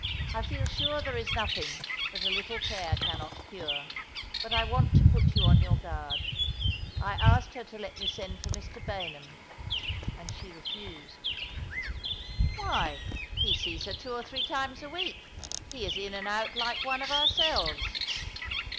" I feel sure there is nothing that a little care cannot cure; but I want to put you on your guard. I asked her to let me send for Mr. Baynham, and she refused." 200 All along the River, " Why, he sees her two or three times a week— he is in and out like one of ourselves."